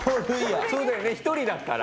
そうだよね１人だったら。